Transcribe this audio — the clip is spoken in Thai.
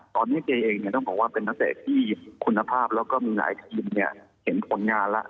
ตอนนี้เจ๊เองเนี่ยต้องบอกว่าเป็นทัศน์ที่คุณภาพแล้วก็มีหลายทีมเนี่ยเห็นผลงานแล้ว